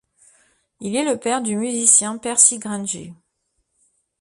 Il est le père du musicien Percy Grainger.